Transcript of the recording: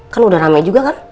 kan udah ramai juga kan